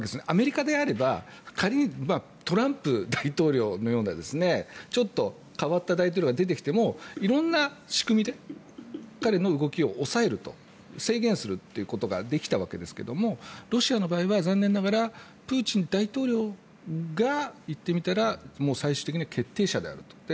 アメリカであれば仮にトランプ大統領のようなちょっと変わった大統領が出てきても色んな仕組みで彼の動きを抑えると制限するということができたわけですけどもロシアの場合は残念ながらプーチン大統領が言ってみたら最終的な決定者であると。